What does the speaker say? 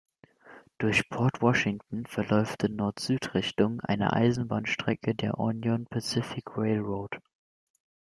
Durch Port Washington verläuft in Nord-Süd-Richtung eine Eisenbahnstrecke der Union Pacific Railroad.